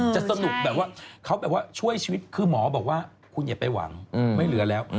จะสนุกแบบว่าเขาแบบว่าช่วยชีวิตคือหมอบอกว่าคุณอย่าไปหวังไม่เหลือแล้ว